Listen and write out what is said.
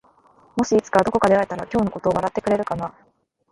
もしいつかどこかで会えたら今日のことを笑ってくれるかな？